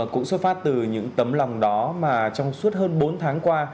cũng xuất phát từ những tấm lòng đó mà trong suốt hơn bốn tháng qua